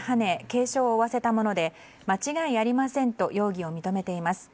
軽傷を負わせたもので間違いありませんと容疑を認めています。